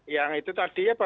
yang itu tadi ya